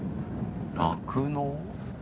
酪農。